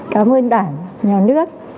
cảm ơn đảng nhà nước